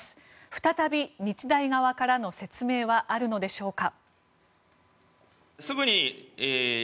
再び日大側からの説明はあるのでしょうか。